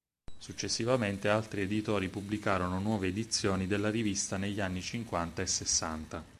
Successivamente altri editori pubblicarono nuove edizioni della rivista negli anni cinquanta e sessanta.